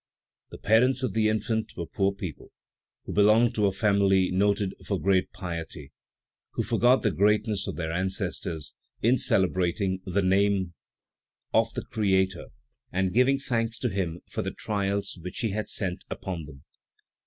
The parents of the infant were poor people, who belonged to a family noted for great piety; who forgot the greatness of their ancestors in celebrating the name of the Creator and giving thanks to Him for the trials which He had sent upon them.